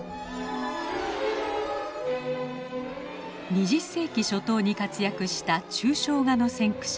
２０世紀初頭に活躍した抽象画の先駆者